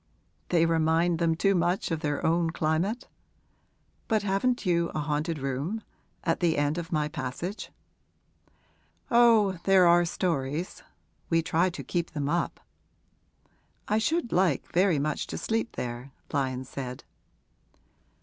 'They remind them too much of their own climate? But haven't you a haunted room at the end of my passage?' 'Oh, there are stories we try to keep them up.' 'I should like very much to sleep there,' Lyon said.